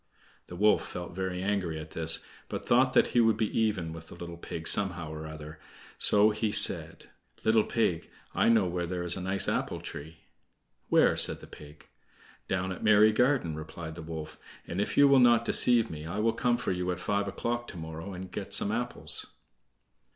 The wolf felt very angry at this, but thought that he would be even with the little pig somehow or other, so he said: "Little pig, I know where there is a nice apple tree." "Where?" said the pig. "Down at Merry garden," replied the wolf, "and if you will not deceive me I will come for you at five o'clock to morrow and get some apples."